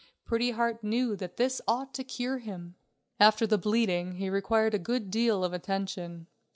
Pretty Heart knew that this ought to cure him. After the bleeding he required a good deal of attention.